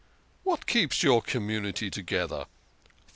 What keeps your community together?